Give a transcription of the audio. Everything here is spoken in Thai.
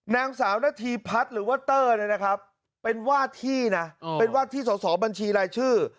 นางสาวนาธีพัฒน์หรือว่าเตอร์เนี่ยนะครับเป็นวาดที่นะเป็นวาดที่สอสอบัญชีรายชื่อ